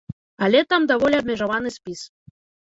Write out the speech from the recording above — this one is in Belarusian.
Але там даволі абмежаваны спіс.